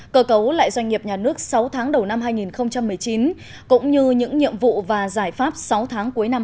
cơ cấu lại doanh nghiệp nhà nước sáu tháng đầu năm hai nghìn một mươi chín cũng như những nhiệm vụ và giải pháp sáu tháng cuối năm hai nghìn hai mươi